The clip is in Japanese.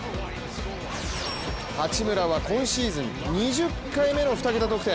八村は今シーズン２０回目の２桁得点。